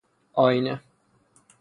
آئینه